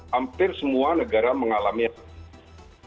hampir semua negara mengalami hal tersebut